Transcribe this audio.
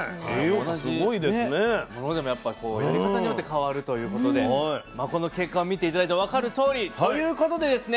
同じものでもやっぱこうやり方によって変わるということでまあこの結果を見て頂いて分かるとおりということでですね。